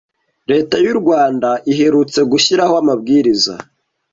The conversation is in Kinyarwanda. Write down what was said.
Leta y’u Rwanda iherutse gushyiraho amabwiriza